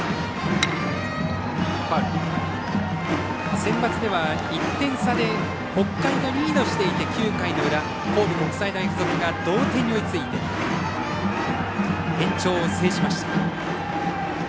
センバツでは１点差で北海がリードしていて、９回の裏神戸国際大付属が同点に追いついて延長を制しました。